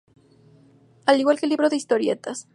Al igual que el libro de historietas.